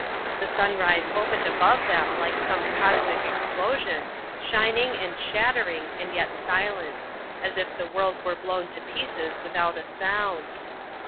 The sunrise opened above them like some cosmic explosion, shining and shattering and yet silent; as if the world were blown to pieces without a sound.